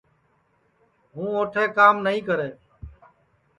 ہوں اوٹھے کام نائی کرے